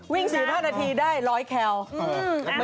วิ่ง๔๕นาทีได้๑๐๐แคล